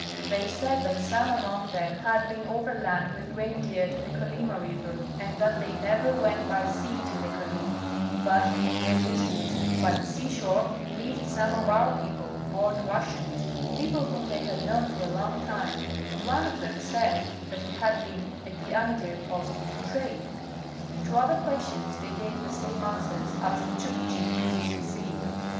They said that some among them had been overland with reindeer to the Kolyma river and that they never went by sea to the Kolyma; but, at a great dis tance, by the seashore lived some of our people, born Russians, people whom they had known for a long time, and one of them said that he had been at the Anadyr post to trade. To other questions they gave the same answers as the Chukchi previously seen.